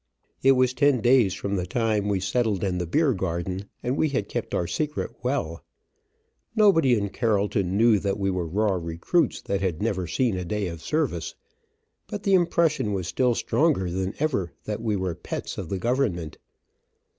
It was ten days from the time we settled in the beer garden, and we had kept our secret well. Nobody in Carrollton knew that we were raw recruits that had never seen a day of service, but the impression was still stronger than ever that we were pets of the government.